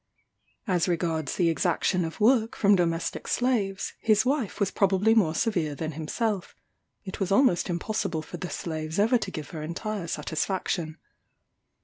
As regards the exaction of work from domestic slaves, his wife was probably more severe than himself it was almost impossible for the slaves ever to give her entire satisfaction.